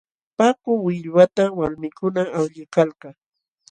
Paku willwatam walmikuna awliykalka.